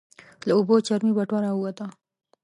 له اوبو چرمي بټوه راووته.